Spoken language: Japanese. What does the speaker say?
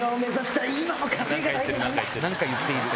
何か言ってる。